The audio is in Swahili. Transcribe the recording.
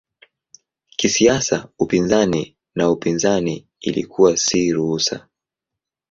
Kisiasa upinzani na upinzani ilikuwa si ruhusa.